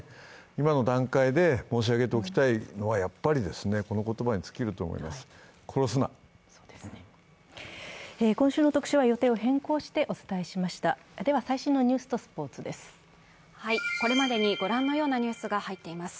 今の段階で申し上げておきたいのは、やっぱりこの言葉に尽きると思います。